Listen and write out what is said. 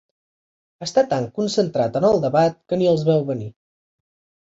Està tan concentrat en el debat que ni els veu venir.